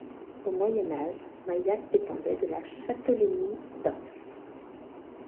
Au Moyen Âge, Mayac dépendait de la châtellenie d'Ans.